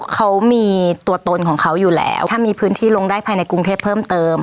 เขามีตัวตนของเขาอยู่แล้วถ้ามีพื้นที่ลงได้ภายในกรุงเทพเพิ่มเติม